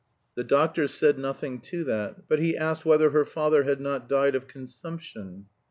The doctor said nothing to that; but he asked whether her father had not died of consumption.